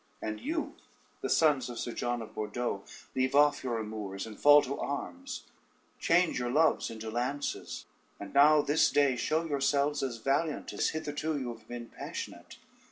And you, the sons of Sir John of Bordeaux, leave off your amours and fall to arms; change your loves into lances, and now this day show yourselves as valiant as hitherto you have been passionate.